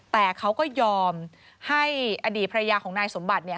แต่เขาก็ยอมให้อดีตภรรยาของนายสมบัติเนี่ย